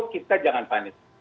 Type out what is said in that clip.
kita jangan panik